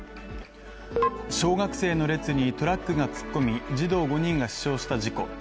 小学生の列にトラックが突っ込み児童５人が死傷した事故。